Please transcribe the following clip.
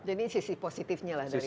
jadi sisi positifnya lah dari pandemi